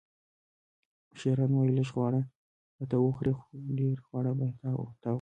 اوښیاران وایي: لږ خواړه به ته وخورې، ډېر خواړه به تا وخوري.